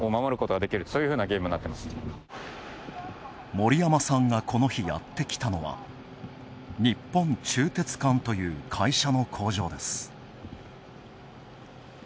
森山さんが、この日、やってきたのは日本鋳鉄管という会社の工場です。